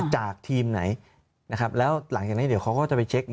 ทีมไหนนะครับแล้วหลังจากนั้นเดี๋ยวเขาก็จะไปเช็ค